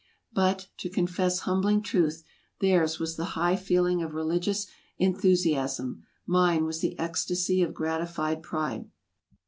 But, to confess humbling truth, theirs was the ASIA 249 high feeling of religious enthusiasm, mine was the ecstasy of gratified pride.